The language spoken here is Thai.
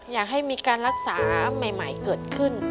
อยากให้มีการรักษาใหม่เกิดขึ้น